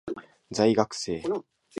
在学生